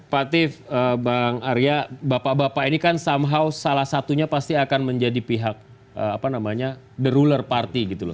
pak tiff bang arya bapak bapak ini kan somehow salah satunya pasti akan menjadi pihak apa namanya the ruler party gitu loh